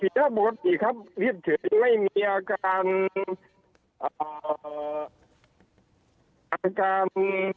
สีหน้าปกติครับถึงไม่มีอาการ